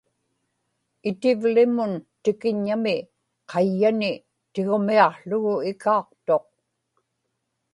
itivlimun tikiññami, qayyani tigumiaqługu ikaaqtuq